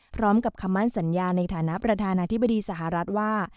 พร้อมกับคำมั่นสัญญาในฐานะประธานาธิบดีสหรัฐว่า